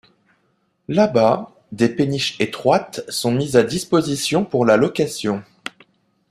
Là-bas, des péniches étroites sont mises à disposition pour la location.